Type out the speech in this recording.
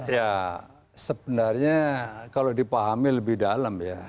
ya sebenarnya kalau dipahami lebih dalam ya